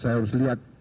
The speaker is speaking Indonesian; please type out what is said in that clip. saya harus lihat